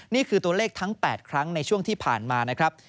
นี่คือตัวเลขทั้ง๘ครั้งในช่วงที่ผ่านมานะครับ